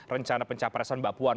rencana pencaparesan bapuan